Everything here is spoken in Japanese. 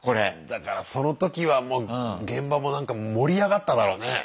だからそのときはもう現場もなんか盛り上がっただろうね。